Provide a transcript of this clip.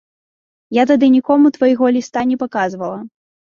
Я тады нікому твайго ліста не паказвала.